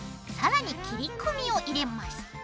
更に切り込みを入れます。